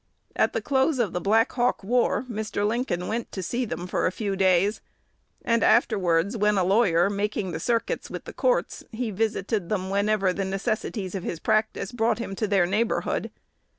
At the close of the Black Hawk War, Mr. Lincoln went to see them for a few days, and afterwards, when a lawyer, making the circuits with the courts, he visited them whenever the necessities of his practice brought him to their neighborhood.